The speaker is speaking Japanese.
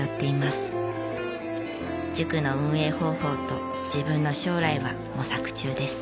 塾の運営方法と自分の将来は模索中です。